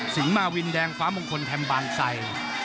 สิงหมาวินแดงฟ้ามงคลแถมบรรไช